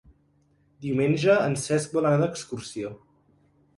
Diumenge en Cesc vol anar d'excursió.